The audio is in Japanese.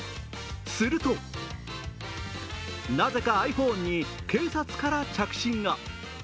するとなぜかｉＰｈｏｎｅに警察から着信が。